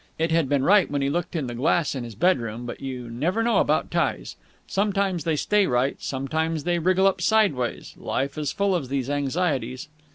It had been right when he had looked in the glass in his bedroom, but you never know about ties. Sometimes they stay right, sometimes they wriggle up sideways. Life is full of these anxieties.